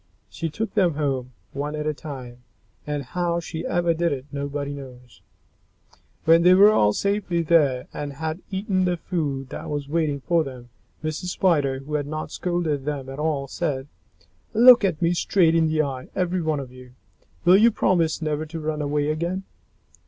She took them home, one at a time, and how she ever did it nobody knows. When they were all safely there and had eaten the food that was waiting for them, Mrs. Spider, who had not scolded them at all, said, "Look me straight in the eye, every one of you! Will you promise never to run away again?"